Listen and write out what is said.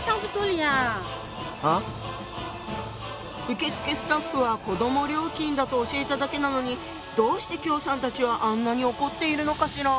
受付スタッフは子ども料金だと教えただけなのにどうして喬さんたちはあんなに怒っているのかしら？